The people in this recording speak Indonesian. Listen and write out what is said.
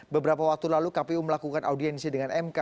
beberapa waktu lalu kpu melakukan audiensi dengan mk